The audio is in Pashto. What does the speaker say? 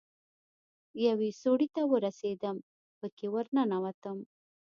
يوې سوړې ته ورسېدم پکښې ورننوتم.